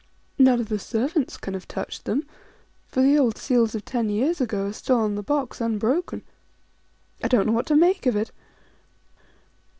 None of the servants can have touched them, for the old seals of ten years ago are still upon the box, unbroken. I don't know what to make of it."